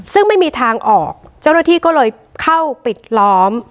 ซึ่งไม่มีทางออกเจ้าหน้าที่ก็เลยเข้าปิดล้อม